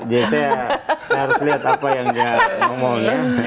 jadi saya harus lihat apa yang dia ngomong ya